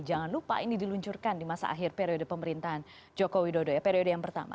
jangan lupa ini diluncurkan di masa akhir periode pemerintahan joko widodo ya periode yang pertama